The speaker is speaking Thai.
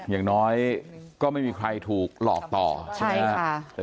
อย่างน้อยก็ไม่มีใครถูกหลอกต่อใช่ไหมครับ